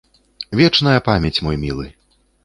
Вечная памяць, мой мілы!